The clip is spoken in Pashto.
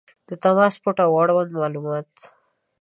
• د تماس پته او اړوند معلومات